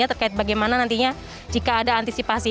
terkait bagaimana nantinya jika ada antisipasi